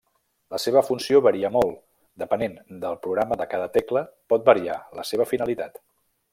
La seva funció varia molt, depenent del programa cada tecla pot variar la seva finalitat.